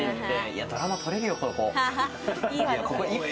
ドラマとれるよ、ここ。